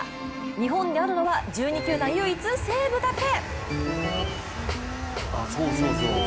日本であるのは、１２球団唯一西武だけ。